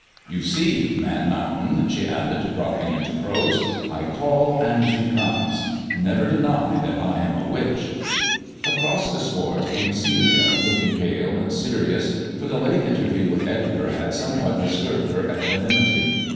You see, Man Mountain,'' she added, dropping into prose, " I call and she comes. Never deny that I am a witch." Across the sward came Celia, looking pale and serious, for the late interview with Edgar had somewhat disturbed her equanimity.